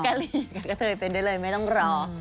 กระเทยเป็นได้เลยไม่ต้องรอ